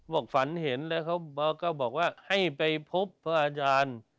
ฝันเห็นแล้วเขาก็บอกว่าให้ไปพบพระอาจารย์